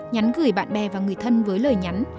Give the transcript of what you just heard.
nhắn gửi bạn bè và người thân với lời nhắn